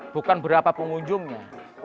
bukan berapa pengunjungnya